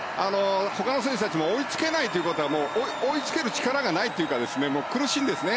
ほかの選手たちも追いつけないということは追いつける力がないというか苦しいんですね